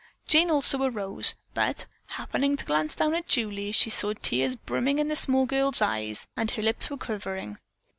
Jane also arose, but, happening to glance down at Julie, she saw tears brimming the small girl's eyes and that her lips were quivering.